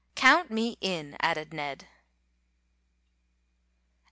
"Count me in," added Ned.